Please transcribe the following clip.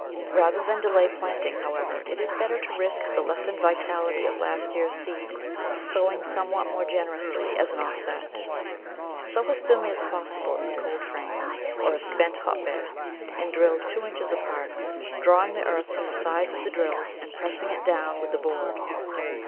Rather than delay planting, however, it is better to risk the lessened vitality of last year's seed — sowing somewhat more gener ously as an offset. Sow as thinly as possible in the cold frame or a spent hotbed, in drills two inches apart, drawing the earth from the sides of the drills and pressing it down with the board.